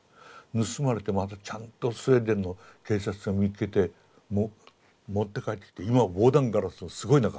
盗まれてまたちゃんとスウェーデンの警察が見っけて持って帰ってきて今は防弾ガラスのすごい中に入ってます。